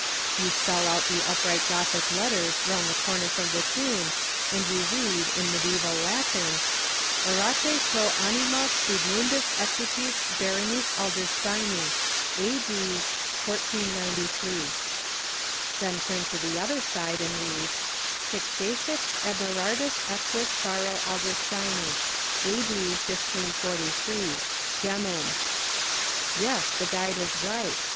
You spell out the upright Gothic letters around the cornice of the tomb, and you read, in mediæval Latin,— "Orate pro Anima Friedmundis Equitis Baronis Adlersteini. A. D. mccccxciii" Then turn to the other side and read— "Hic jacet Eberardus Eques Baro Adlersteini. A.D. mdxliii. Demum" Yes, the guide is right.